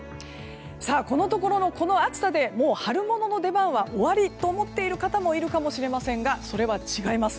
さあ、このところの、この暑さでもう春物の出番は終わりと思っている方もいるかもしれませんがそれは違います。